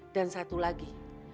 dan satu lagi